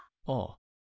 ああ。